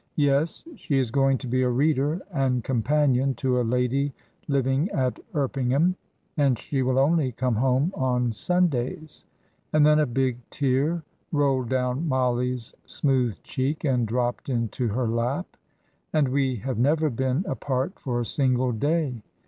"Yes. She is going to be a reader and companion to a lady living at Erpingham, and she will only come home on Sundays;" and then a big tear rolled down Mollie's smooth cheek and dropped into her lap. "And we have never been apart for a single day!"